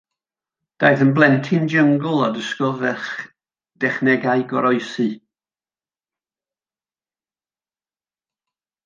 Daeth yn blentyn jyngl a dysgodd dechnegau goroesi.